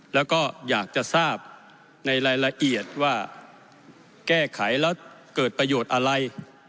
แล้วก็อยากจะทราบในรายละเอียดว่าแก้ไขแล้วเกิดประโยชน์อะไร